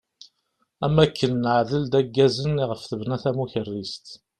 Am akken neɛdel-d aggazen iɣef tebna tamukerrist.